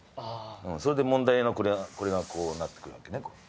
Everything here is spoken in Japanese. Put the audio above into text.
それで問題のこれがこうなって来るわけね。